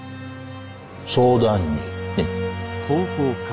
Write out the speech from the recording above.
相談に。ね。